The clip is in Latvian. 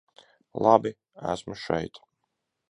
Labi, esmu šeit.